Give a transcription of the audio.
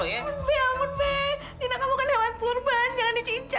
ya be pelan yuk